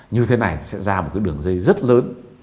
như thế này sẽ ra một cái đường dây rất lớn